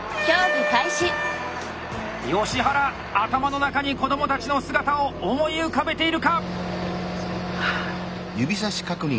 吉原頭の中に子どもたちの姿を思い浮かべているか！